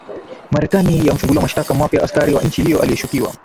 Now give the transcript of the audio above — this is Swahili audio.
marekani ya mfungulia mashtaka mapya askari wa nchi hiyo anayeshukiwa